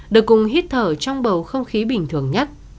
được cùng hít thở trong bầu không khí bình thường nhất